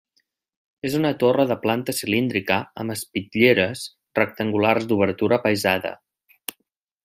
És una torre de planta cilíndrica amb espitlleres rectangulars d'obertura apaïsada.